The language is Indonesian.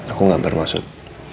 aku gak bermaksud